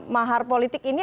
mahar politik ini